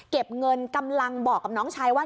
เก็บเงินกำลังบอกกับน้องชายว่า